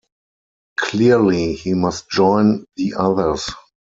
Clearly he must join the others.